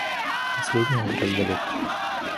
Последнее гораздо легче.